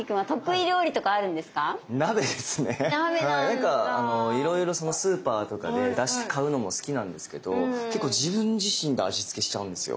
何かいろいろスーパーとかでだし買うのも好きなんですけど結構自分自身で味付けしちゃうんですよ。